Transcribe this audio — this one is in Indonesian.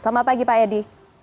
selamat pagi pak edi